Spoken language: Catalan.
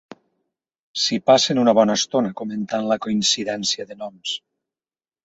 S'hi passen una bona estona comentant la coincidència de noms.